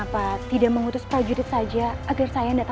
pasti sendiri pun ada nasihat lu raditya